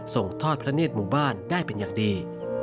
ส่งทอดพระเนธหมู่บ้านได้เป็นอย่างดี